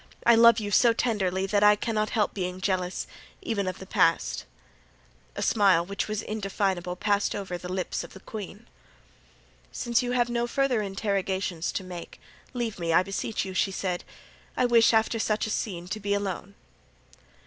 I love you so tenderly that I cannot help being jealous, even of the past." A smile, which was indefinable, passed over the lips of the queen. "Since you have no further interrogations to make, leave me, I beseech you," she said. "I wish, after such a scene, to be alone."